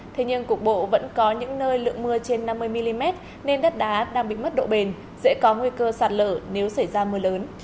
thế nhưng cục bộ vẫn có những nơi lượng mưa trên năm mươi mm nên đất đá đang bị mất độ bền dễ có nguy cơ sạt lở nếu xảy ra mưa lớn